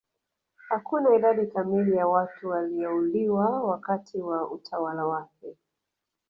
Hakuna idadi kamili ya watu waliouliwa wakati wa utawala wake